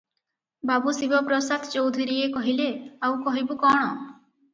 ବାବୁ ଶିବ ପ୍ରସାଦ ଚୌଧୁରୀଏ କହିଲେ, "ଆଉ କହିବୁ କଣ?